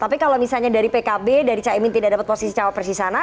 tapi kalau misalnya dari pkb dari cak imin tidak dapat posisi cawa persisana